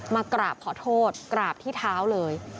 มากราบขอโทษกราบที่เท้าเลย